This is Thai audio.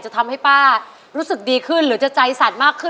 ทำให้ป้ารู้สึกดีขึ้นหรือจะใจสั่นมากขึ้น